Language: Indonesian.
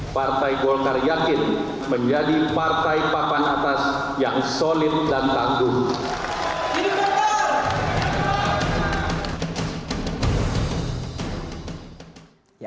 partai golkar yakin menjadi partai papan atas yang solid dan tangguh